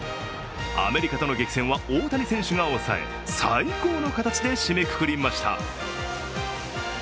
アメリカとの激戦は大谷選手が抑え、最高の形で締めくくりました。